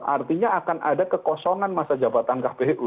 artinya akan ada kekosongan masa jabatan kpu